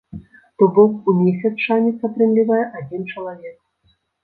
То бок, у месяц шанец атрымлівае адзін чалавек!